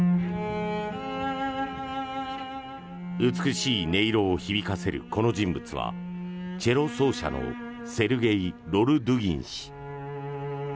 美しい音色を響かせるこの人物はチェロ奏者のセルゲイ・ロルドゥギン氏。